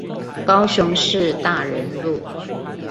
高雄市大仁路